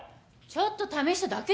ちょっと試しただけでしょ。